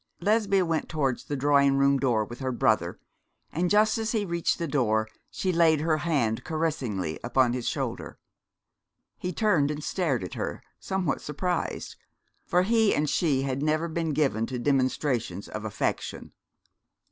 Lesbia went towards the drawing room door with her brother, and just as he reached the door she laid her hand caressingly upon his shoulder. He turned and stared at her, somewhat surprised, for he and she had never been given to demonstrations of affection.